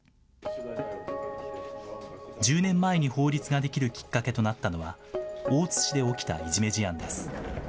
１０年前に法律ができるきっかけとなったのは、大津市で起きたいじめ事案です。